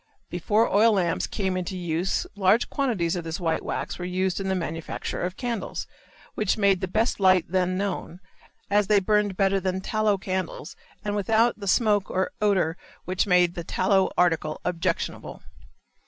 Before oil lamps came into use large quantities of this white wax were used in the manufacture of candles, which made the best light then known, as they burned better than tallow candles and without the smoke or odor which made the tallow article objectionable.